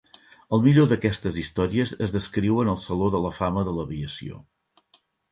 El millor d'aquestes històries es descriuen al saló de la fama de l'aviació.